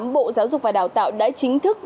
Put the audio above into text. bộ giáo dục và đào tạo đã chính thức